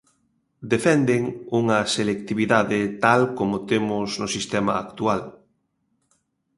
Defenden unha selectividade tal como temos no sistema actual.